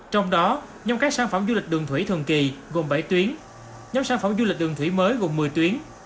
trong đó nhóm các sản phẩm du lịch đường thủy thường kỳ gồm bảy tuyến nhóm sản phẩm du lịch đường thủy mới gồm một mươi tuyến